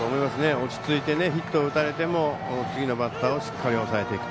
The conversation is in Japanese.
落ち着いてヒットを打たれても次のバッターは抑えていくと。